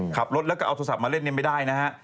ขับรถแล้วก็เอาโทรศัพท์มาเล่นไม่ได้นะฮะ